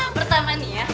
pertama nih ya